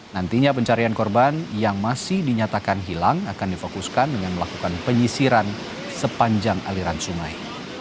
nantinya pencarian korban yang masih dinyatakan hilang akan difokuskan dengan melakukan penyisiran sepanjang aliran sungai